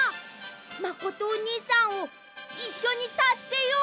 まことおにいさんをいっしょにたすけよう！